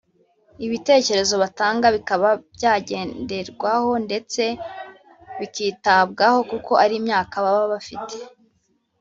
ibitekerezo batanga bikaba byagenderwaho ndetse bikitabwaho kuko ari imyaka baba bafite